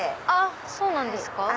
あっそうなんですか。